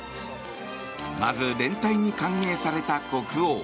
まず連隊に歓迎された国王。